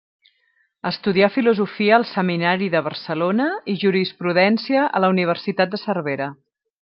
Estudià Filosofia al Seminari de Barcelona i Jurisprudència a la Universitat de Cervera.